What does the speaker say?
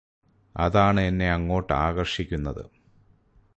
അതാണ് എന്നെ അങ്ങോട്ട് ആകര്ഷിക്കുന്നത്